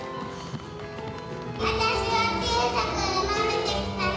あたしは小さく生まれてきたの。